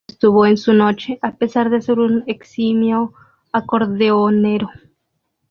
Luis Enrique no estuvo en su noche, a pesar de ser un eximio acordeonero.